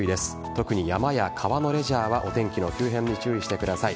特に山や川のレジャーはお天気の急変に注意してください。